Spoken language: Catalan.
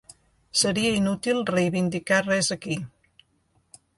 Seria inútil reivindicar res aquí.